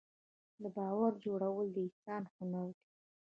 د باور جوړول د انسان هنر دی.